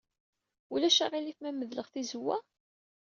Ulac aɣilif ma medleɣ tizewwa?